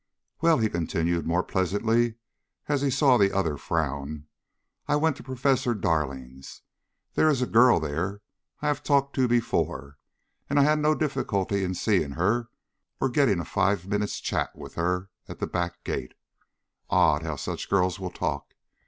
Well," he continued more pleasantly as he saw the other frown, "I went to Professor Darling's. There is a girl there I have talked to before, and I had no difficulty in seeing her or getting a five minutes' chat with her at the back gate. Odd how such girls will talk!